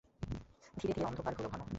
ধীরে ধীরে অন্ধকার হল ঘন।